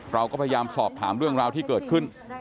เราก็พยายามสอบถามเรื่องราวที่เกิดขึ้น